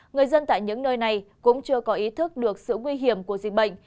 người dân tại những nơi này cũng chưa có ý thức được sự nguy hiểm của dịch bệnh